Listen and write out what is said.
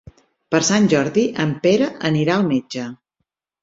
Per Sant Jordi en Pere anirà al metge.